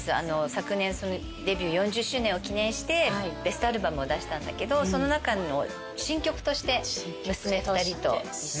昨年デビュー４０周年を記念してベストアルバムを出したんだけどその中の新曲として娘２人と。